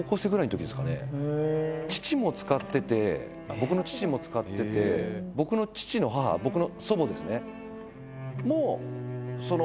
「僕の父も使ってて僕の父の母僕の祖母ですね」